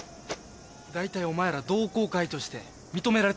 大体お前ら同好会として認められてないだろ？